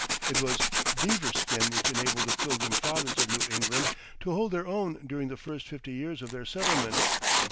It was beaver skin which enabled the Pilgrim Fathers of New England to hold their own during the first fifty years of their settlement.